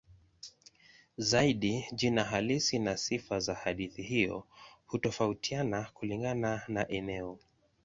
Zaidi jina halisi na sifa za hadithi hiyo hutofautiana kulingana na eneo.